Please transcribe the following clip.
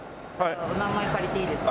お名前借りていいですか？